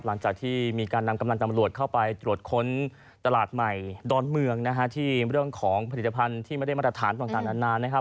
หลังจากที่มีการนำกำลังตำรวจเข้าไปตรวจค้นตลาดใหม่ดอนเมืองนะฮะที่เรื่องของผลิตภัณฑ์ที่ไม่ได้มาตรฐานต่างนานนะครับ